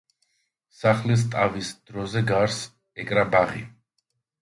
სახლს ტავის დროზე გარს ეკრა ბაღი.